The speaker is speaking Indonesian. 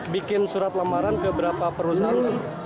bikin surat lamaran ke berapa perusahaan